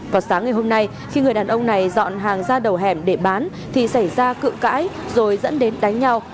vào sáng ngày hôm nay khi người đàn ông này dọn hàng ra đầu hẻm để bán thì xảy ra cự cãi rồi dẫn đến đánh nhau